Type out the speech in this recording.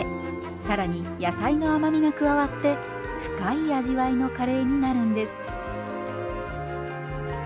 更に野菜の甘みが加わって深い味わいのカレーになるんです。